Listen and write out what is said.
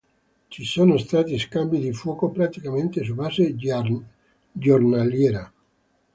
Ci sono stati scambi di fuoco praticamente su base giornaliera.